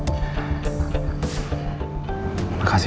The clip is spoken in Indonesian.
udah usah ngelanjut